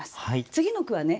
次の句はね。